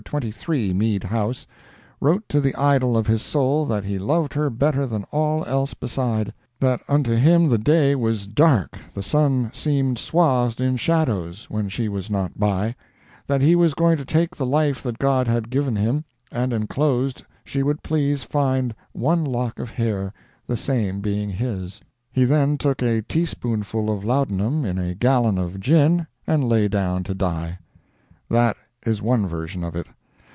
23, Mead House, wrote to the idol of his soul that he loved her better than all else beside; that unto him the day was dark, the sun seemed swathed in shadows, when she was not by; that he was going to take the life that God had given him, and enclosed she would please find one lock of hair, the same being his. He then took a teaspoonful of laudanum in a gallon of gin, and lay down to die. That is one version of it.